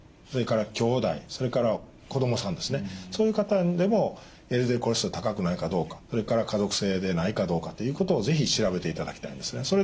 それからきょうだいそれから子どもさんですねそういう方でもＬＤＬコレステロール高くないかどうかそれから家族性でないかどうかということを是非調べていただきたいんですね。